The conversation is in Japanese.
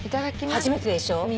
初めてでしょ。